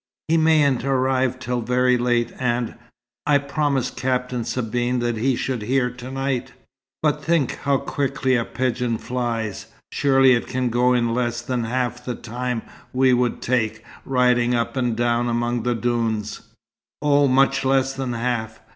"He mayn't arrive till very late, and I promised Captain Sabine that he should hear to night." "But think how quickly a pigeon flies! Surely it can go in less than half the time we would take, riding up and down among the dunes." "Oh, much less than half!